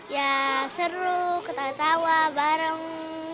ya seru ketawa tawa bareng